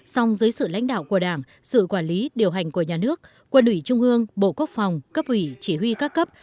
song dưới sự lãnh đạo của đảng sự quản lý điều hành của nhà nước quân ủy trung ương bộ quốc phòng cấp ủy chỉ huy các cấp